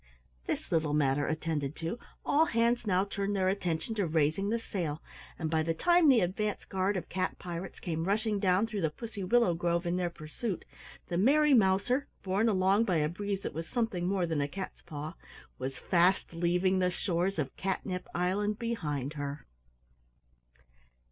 This little matter attended to, all hands now turned their attention to raising the sail, and by the time the advance guard of cat pirates came rushing down through the pussy willow grove in their pursuit, the Merry Mouser, borne along by a breeze that was something more than a catspaw, was fast leaving the shores of Catnip Island behind her.